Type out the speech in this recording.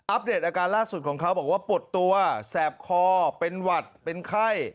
เดตอาการล่าสุดของเขาบอกว่าปวดตัวแสบคอเป็นหวัดเป็นไข้